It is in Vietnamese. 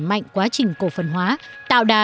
mạnh quá trình cổ phân hóa tạo đà